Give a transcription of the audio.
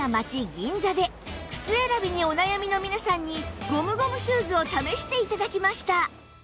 銀座で靴選びにお悩みの皆さんにゴムゴムシューズを試して頂きました